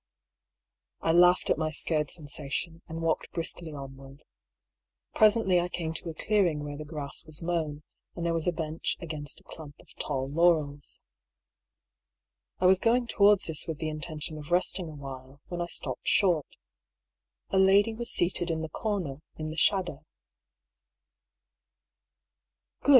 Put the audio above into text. I laughed at my scared sensation, and walked briskly onward. Presently I came to a clearing where the grass was toown, and there was a bench against a clump of tall laurels. I was going towards this with the intention of resting awhile, when I stopped short. A lady was seated in the corner, in the shadow.